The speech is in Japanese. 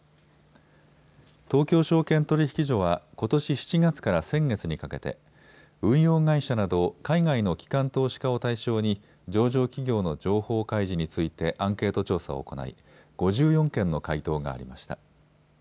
東京証券取引所はことし７月から先月にかけて運用会社など海外の機関投資家を対象に上場企業の情報開示についてアンケート調査を行い５４件の回答がありました。